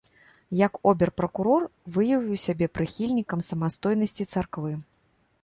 Як обер-пракурор, выявіў сябе прыхільнікам самастойнасці царквы.